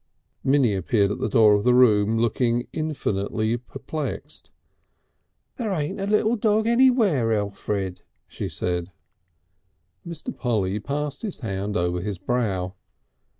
Minnie appeared at the door of the room looking infinitely perplexed. "There ain't a little dog anywhere, Elfrid," she said. Mr. Polly passed his hand over his brow.